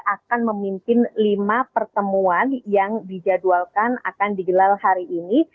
akan memimpin lima pertemuan yang dijadwalkan akan digelar hari ini